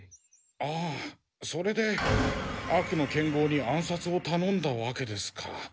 ああそれで悪の剣豪に暗殺をたのんだわけですか。